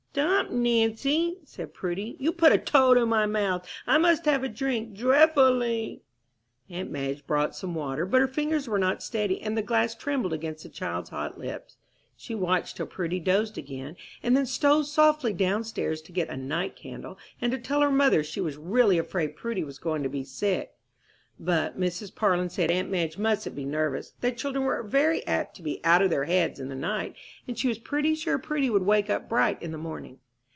"Stop, Nancy," said Prudy, "you put a toad in my mouth! I must have a drink dreffully!" Aunt Madge brought some water, but her fingers were not steady, and the glass trembled against the child's hot lips. She watched till Prudy dozed again, and then stole softly down stairs to get a "night candle," and to tell her mother she was really afraid Prudy was going to be sick. But Mrs. Parlin said aunt Madge mustn't be nervous; that children were very apt to be "out of their heads" in the night, and she was pretty sure Prudy would wake up bright in the morning.